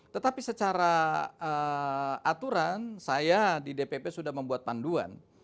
tetapi secara aturan saya di dpp sudah membuat panduan